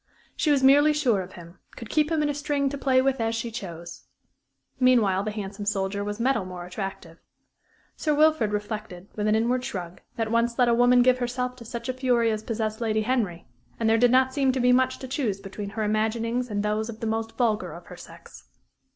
She was merely sure of him; could keep him in a string to play with as she chose. Meanwhile the handsome soldier was metal more attractive. Sir Wilfrid reflected, with an inward shrug, that, once let a woman give herself to such a fury as possessed Lady Henry, and there did not seem to be much to choose between her imaginings and those of the most vulgar of her sex.